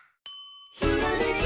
「ひらめき」